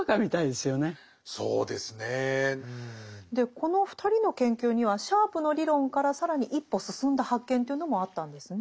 この２人の研究にはシャープの理論から更に一歩進んだ発見というのもあったんですね。